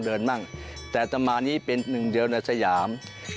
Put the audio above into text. เดินบ้างแต่ต่อมานี่เป็นหนึ่งเดียวในสยาม